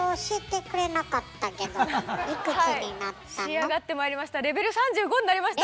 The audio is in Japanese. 仕上がってまいりました。